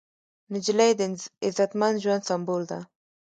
نجلۍ د عزتمن ژوند سمبول ده.